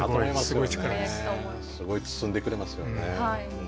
すごい包んでくれますよね。